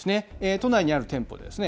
都内にある店舗ですね。